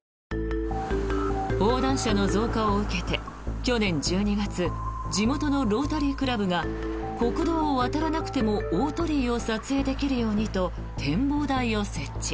横断者の増加を受けて去年１２月地元のロータリークラブが国道を渡らなくても大鳥居を撮影できるようにと展望台を設置。